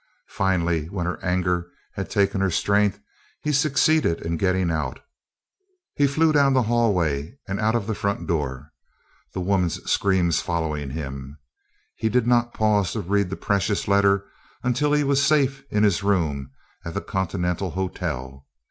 Finally, when her anger had taken her strength, he succeeded in getting out. He flew down the hall way and out of the front door, the woman's screams following him. He did not pause to read the precious letter until he was safe in his room at the Continental Hotel.